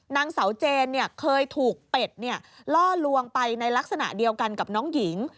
นางเสาเจนเคยถูกเป็ดล่อลวงไปในลักษณะเดียวกันกับน้องหญิง